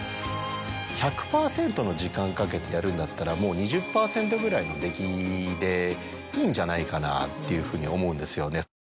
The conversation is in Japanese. １００％の時間かけてやるんだったらもう２０％ぐらいの出来でいいんじゃないかなっていうふうに思うんですよね。